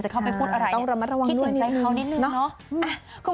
จะเข้าไปพูดอะไรคิดเป็นใจเขานิดนึงเนาะ